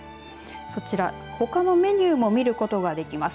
ほかのメニューも見ることができます。